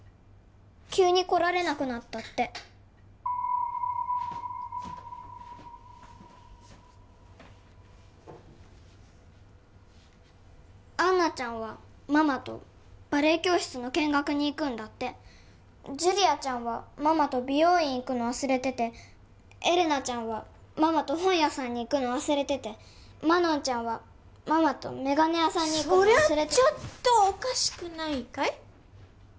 急に来られなくなったってアンナちゃんはママとバレエ教室の見学に行くんだってジュリアちゃんはママと美容院行くの忘れててエレナちゃんはママと本屋さんに行くの忘れててマノンちゃんはママとメガネ屋さんにそりゃちょっとおかしくないかい？